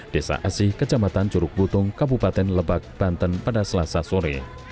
desa asih kecamatan curug butung kabupaten lebak banten pada selasa sore